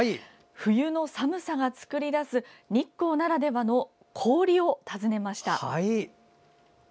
冬の寒さが作り出す日光ならではの氷を訪ねました。